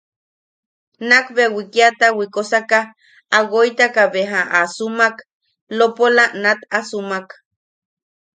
Nakbea wikiata wikosaka a woitaka beja a sumak, lopola nat a sumak.